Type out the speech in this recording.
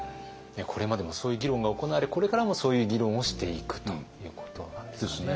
これまでもそういう議論が行われこれからもそういう議論をしていくということなんですかね。